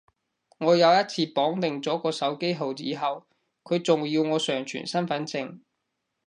我有一次綁定咗個手機號以後，佢仲要我上傳身份證